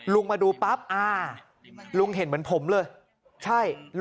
ลุงมาดูปั๊บอาลุงเห็นเหมือนผมใช่ไหม